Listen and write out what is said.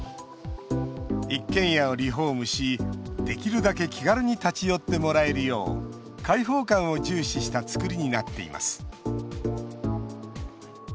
一軒家をリフォームしできるだけ気軽に立ち寄ってもらえるよう開放感を重視した造りになっています。